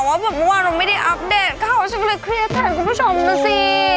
ว่าแบบเมื่อวานเราไม่ได้อัปเดตเขาฉันก็เลยเครียดแทนคุณผู้ชมนะสิ